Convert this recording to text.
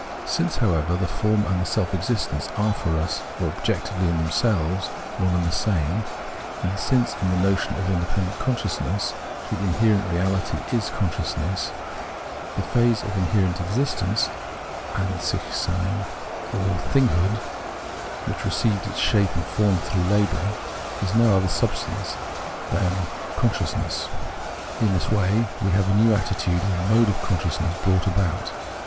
Since, however, the form and the self existence are for us, or objectively in themselves, one and the same, and since in the notion of independent consciousness the inherent reality is consciousness, the phase of inherent existence {An sichsein) or thinghood, which received its shape and form through labour, is no other substance than con sciousness. In this way, we have a new attitude or mode of consciousness brought about.